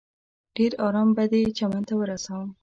ډېر ارام به دې چمن ته ورسوم.